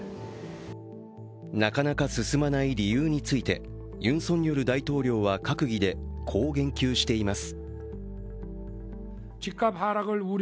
なかなか進まない理由についてユン・ソンニョル大統領は閣議でこう言及しています。